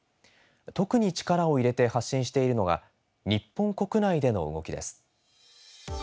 特に力を入れて発信しているのが日本国内での動きです。